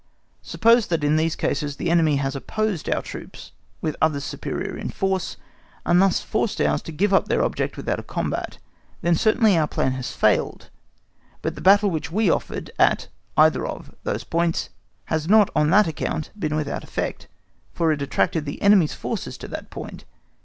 Suppose that in these cases the enemy has opposed our troops with others superior in force, and thus forced ours to give up their object without a combat, then certainly our plan has failed, but the battle which we offered at (either of) those points has not on that account been without effect, for it attracted the enemy's forces to that point.